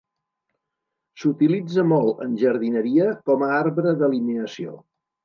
S'utilitza molt en jardineria com a arbre d'alineació.